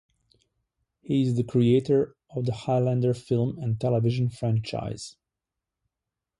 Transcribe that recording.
He is the creator of the "Highlander" film and television franchise.